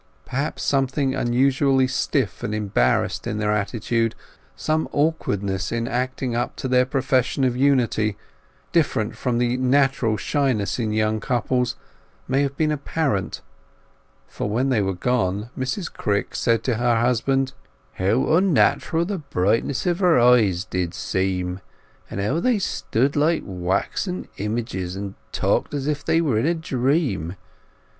Perhaps something unusually stiff and embarrassed in their attitude, some awkwardness in acting up to their profession of unity, different from the natural shyness of young couples, may have been apparent, for when they were gone Mrs Crick said to her husband— "How onnatural the brightness of her eyes did seem, and how they stood like waxen images and talked as if they were in a dream!